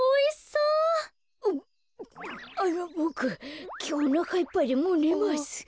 うっあのボクきょうおなかいっぱいでもうねます。